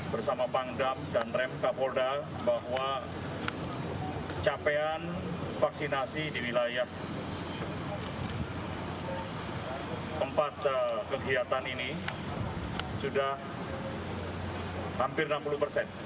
bersama pangdam dan rem kapolda bahwa capaian vaksinasi di wilayah tempat kegiatan ini sudah hampir enam puluh persen